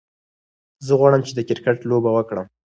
زه غواړم چې د کرکت لوبه وکړم.